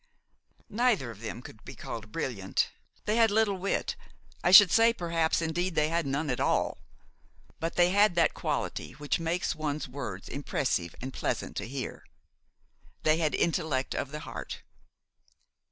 Neither of them could be called brilliant. They had little wit, I should say–perhaps indeed they had none at all; but they had that quality which makes one's words impressive and pleasant to hear; they had intellect of the heart.